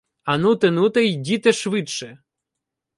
А нуте, нуте, йдіте швидше